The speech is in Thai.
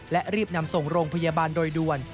และรีบนำส่งโรงพยาบาลโดยด่วน